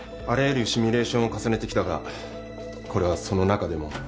あらゆるシミュレーションを重ねてきたがこれはその中でも。